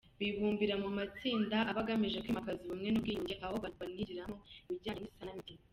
Bibumbira mu matsinda aba agamije kwimakaza ubumwe n’ubwiyunge aho banigiramo ibijyanye n’isanamitima.